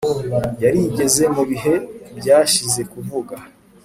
Yarigeze mu bihe byashize kuvuga